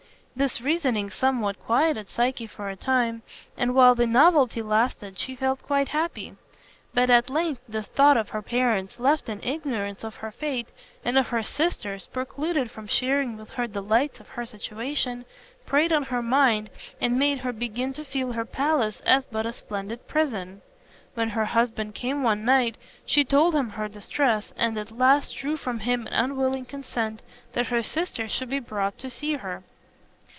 This reasoning somewhat quieted Psyche for a time, and while the novelty lasted she felt quite happy. But at length the thought of her parents, left in ignorance of her fate, and of her sisters, precluded from sharing with her the delights of her situation, preyed on her mind and made her begin to feel her palace as but a splendid prison. When her husband came one night, she told him her distress, and at last drew from him an unwilling consent that her sisters should be brought to see her.